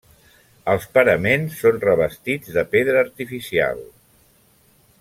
Els paraments són revestits de pedra artificial.